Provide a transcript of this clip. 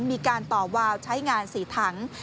มีการต่อวาวใช้งาน๔ถัง